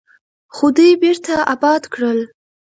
خو دوی بیرته اباد کړل.